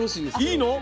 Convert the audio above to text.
いいの？